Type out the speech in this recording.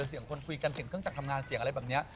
เสียงคนคุยกันเสียงเครื่องจักรทำงานเสียงอะไรแบบนี้